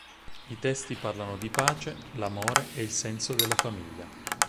I testi parlano di pace, l'amore e il senso della famiglia.